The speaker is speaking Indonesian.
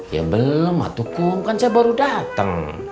ya belum atukum kan saya baru dateng